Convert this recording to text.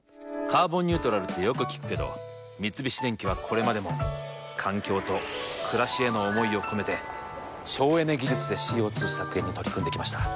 「カーボンニュートラル」ってよく聞くけど三菱電機はこれまでも環境と暮らしへの思いを込めて省エネ技術でＣＯ２削減に取り組んできました。